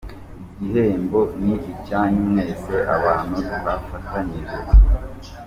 Iki gihembo ni icyanyu mwese abantu twafatanyije.